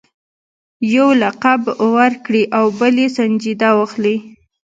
یو لقب ورکړي او بل یې سنجیده واخلي.